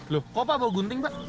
loh kok pak bau gunting pak